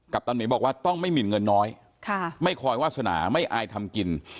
ตาหมีบอกว่าต้องไม่หมินเงินน้อยไม่คอยวาสนาไม่อายทำกิน